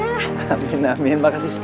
amin amin makasih